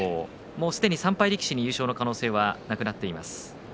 すでに３敗力士に優勝の可能性はなくなっています。